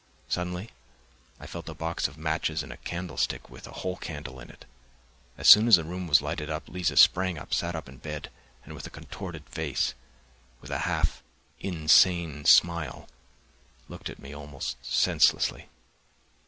Suddenly I felt a box of matches and a candlestick with a whole candle in it. As soon as the room was lighted up, Liza sprang up, sat up in bed, and with a contorted face, with a half insane smile, looked at me almost senselessly.